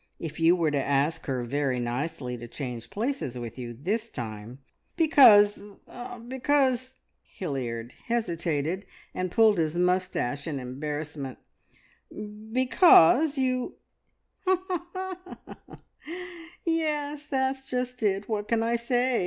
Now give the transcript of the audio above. If you were to ask her very nicely to change places with you this time, because because er " Hilliard hesitated and pulled his moustache in embarrassment "because you " "Yes, that's just it. What can I say?